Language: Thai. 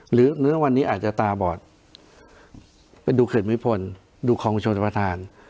หรือเนื้อวันนี้อาจจะตาบอดไปดูกลิ่นวิพลดูคลองชนประธาน